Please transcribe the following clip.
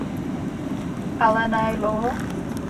Ale na jak dlouho?